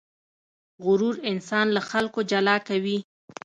غرور انسان له خلکو جلا کوي.